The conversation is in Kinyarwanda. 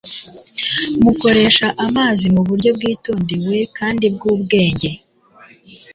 mukoresha amazi mu buryo bwitondewe kandi bw’ubwenge.